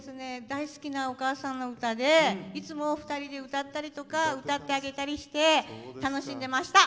大好きなお母さんの歌でいつも２人で歌ったりとか歌ってあげたりして楽しんでいました。